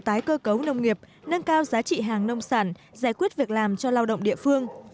tái cơ cấu nông nghiệp nâng cao giá trị hàng nông sản giải quyết việc làm cho lao động địa phương